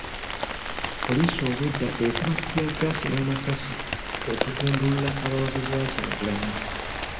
Poliisi obwedda ekuba ttiyaggaasi n'amasasi okugumbulula abawagizi ba Kyagulanyi.